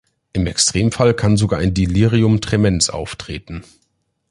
Im Extremfall kann sogar ein Delirium tremens auftreten.